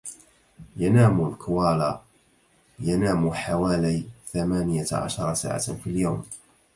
ينام الكوالا ينام حوالي ثمانية عشر ساعة في اليوم.